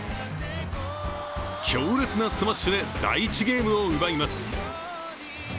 強烈なスマッシュで第１ゲームを奪います。